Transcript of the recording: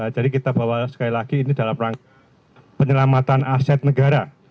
jadi kita bawa sekali lagi ini dalam rangka penyelamatan aset negara